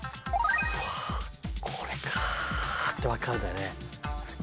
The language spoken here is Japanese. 「うわー！これか！」ってわかるんだよね。